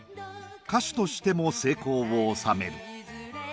歌手としても成功を収める。